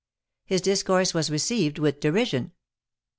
His discourse was received with derision.